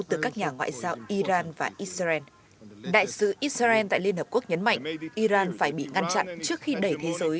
từ các nhà ngoại giao iran và israel đại sứ israel tại liên hợp quốc nhấn mạnh iran phải bị ngăn chặn trước khi đẩy thế giới